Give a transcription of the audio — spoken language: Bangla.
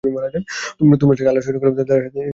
তোমরা যাকে আল্লাহর শরীক কর, তার সাথে আমার কোন সংশ্রব নেই।